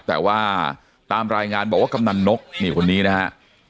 แต่ว่าตามรายงานบอกว่ากำนันนกนี่คนนี้นะฮะ